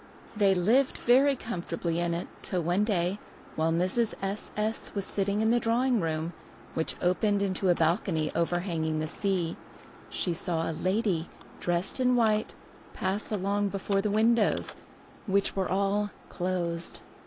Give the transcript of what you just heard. They lived very comfortably in it till one day, while Mrs. S—— S—— was sitting in the drawing room, which opened into a balcony overhanging the sea, she saw a lady dressed in white pass along before the windows, which were all closed.